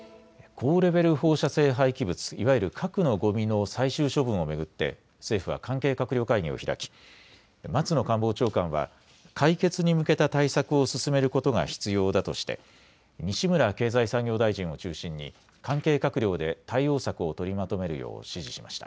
高レベル放射性廃棄物、いわゆる核のごみの最終処分を巡って政府は関係閣僚会議を開き松野官房長官は解決に向けた対策を進めることが必要だとして西村経済産業大臣を中心に関係閣僚で対応策を取りまとめるよう指示しました。